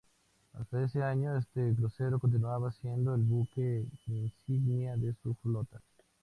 Hasta ese año, este crucero continuaba siendo el buque insignia de su flota.